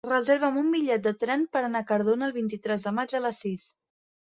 Reserva'm un bitllet de tren per anar a Cardona el vint-i-tres de maig a les sis.